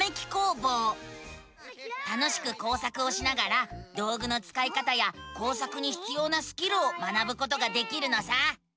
楽しく工作をしながら道ぐのつかい方や工作にひつようなスキルを学ぶことができるのさ！